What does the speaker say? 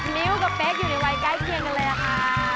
มิ้วกับเป๊กอยู่ในวัยใกล้เคียงกันเลยล่ะค่ะ